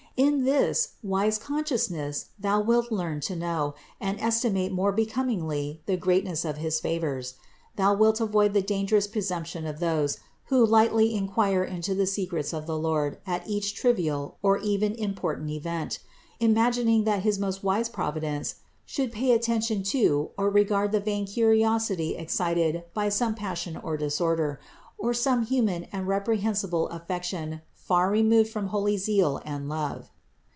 In this wise consciousness thou wilt learn to know and estimate more becomingly the greatness of his favors. Thou wilt avoid the dangerous presumption of those who lightly inquire into the secrets of the Lord at each trivial or even im portant event, imagining that his most wise Providence should pay attention to or regard the vain curiosity excited by some passion or disorder, or some human and reprehensible affection far removed from holy zeal and love.